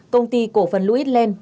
công ty cổ phần louis land